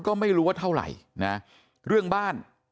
ก็ไม่รู้ว่าเท่าไหร่นะเรื่องบ้าน